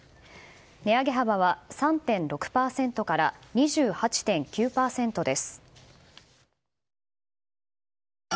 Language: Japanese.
値上げ幅は３．６％から２８．９％です。